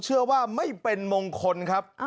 เชื่อว่าไม่เป็นมงคลครับ